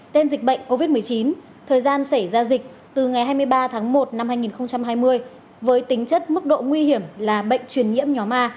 tên dịch bệnh covid một mươi chín thời gian xảy ra dịch từ ngày hai mươi ba tháng một năm hai nghìn hai mươi với tính chất mức độ nguy hiểm là bệnh truyền nhiễm nhóm a